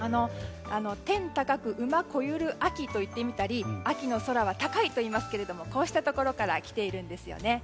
天高く馬肥ゆる秋と言ってみたり秋の空は高いといいますけれどもこうしたところからきているんですよね。